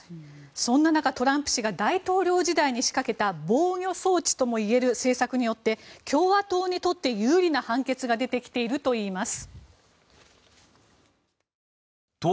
そんな中、トランプ氏が大統領時代に仕掛けた防御装置ともいえる政策によって共和党にとって有利な判決が出てきているといいます。